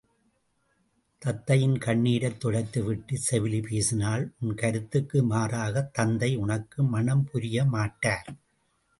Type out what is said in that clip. தத்தையின் கண்ணிரைத் துடைத்துவிட்டுச் செவிலி பேசினாள் உன் கருத்துக்கு மாறாகத் தந்தை உனக்கு மணம் புரியமாட்டார்.